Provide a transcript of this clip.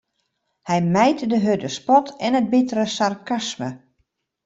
Hy mijt de hurde spot en it bittere sarkasme.